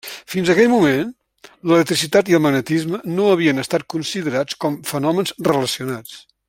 Fins aquell moment, l'electricitat i el magnetisme no havien estat considerats com fenòmens relacionats.